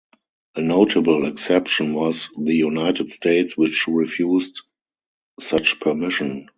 A notable exception was the United States, which refused such permission.